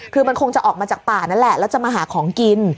คือมันคงจะออกมาจากป่านั่นแหละแล้วจะมาหาของกิน